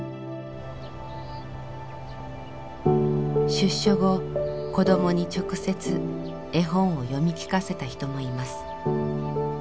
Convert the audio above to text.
出所後子どもに直接絵本を読み聞かせた人もいます。